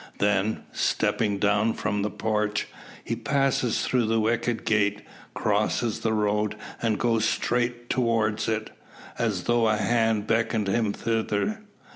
Then, stepping down from the porch, he passes through the wicket gate; crosses the road; and goes straight towards it, as though a hand beckoned him thither.